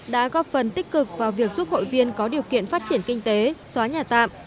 đã góp phần tích cực vào việc giúp hội viên có điều kiện phát triển kinh tế xóa nhà tạm